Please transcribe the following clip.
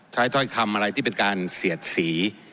ถ้อยคำอะไรที่เป็นการเสียดสี